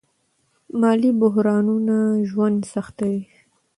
مالي بحرانونه ژوند سختوي.